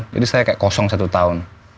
jadi saya kayak kosong satu tahun